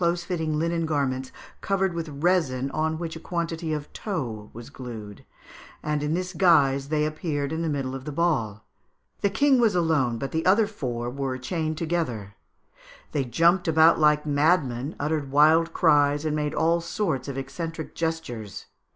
These all had themselves sewn up in close fitting linen garments covered with resin on which a quantity of tow was glued, and in this guise they appeared in the middle of the ball. The king was alone, but the other four were chained together. They jumped about like madmen, uttered wild cries, and made all sorts of eccentric gestures.